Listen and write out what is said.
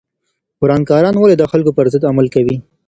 ورانکاران ولې د خلکو پر ضد عمل کوي؟